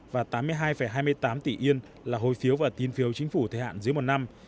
và tám mươi hai hai mươi tám tỷ yên là hồi phiếu và tín phiếu chính phủ thời hạn dưới một năm